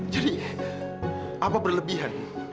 jadi apa berlebihan